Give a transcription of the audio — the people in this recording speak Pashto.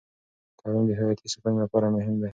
تعلیم د هویتي ساتنې لپاره مهم دی.